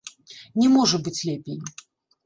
Не можа быць лепей!